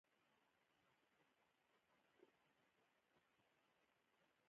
ازادي راډیو د د بیان آزادي ته پام اړولی.